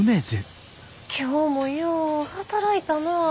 今日もよう働いたな。